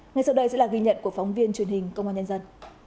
ngay sau đây sẽ là ghi nhận của phóng viên truyền hình công an nhân dân